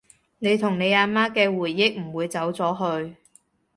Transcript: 你同你阿媽嘅回憶唔會走咗去